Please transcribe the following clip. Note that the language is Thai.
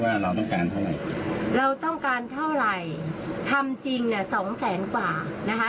ว่าเราต้องการเท่าไหร่เราต้องการเท่าไหร่ทำจริงเนี่ยสองแสนกว่านะคะ